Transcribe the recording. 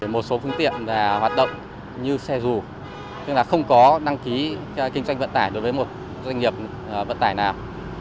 một số phương tiện hoạt động như xe dù là không có đăng ký kinh doanh vận tải đối với một doanh nghiệp vận tải nào